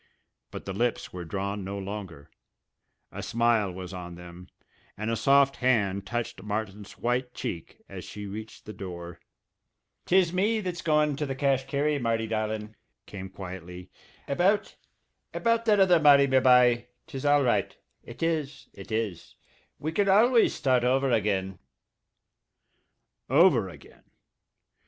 But the lips were drawn no longer a smile was on them, and a soft hand touched Martin's white cheek as she reached the door. "'Tis me that's goin' to the cash carry, Marty darlin'," came quietly. "I never liked that high toned market annyhow. About about that other, Marty, me bye, 'tis all right, it is, it is. We can always start over again." Over again!